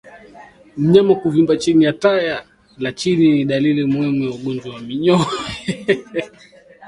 Mnyama kuvimba chini ya taya la chini ni dalili muhimu ya ugonjwa wa minyoo